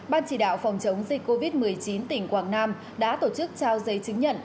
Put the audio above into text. ban chỉ đạo phòng chống dịch covid một mươi chín tỉnh quảng nam đã tổ chức trao giấy chứng nhận